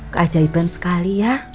keajaiban sekali ya